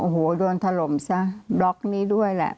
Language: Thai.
โอ้โหโดนถล่มซะบล็อกนี้ด้วยแหละ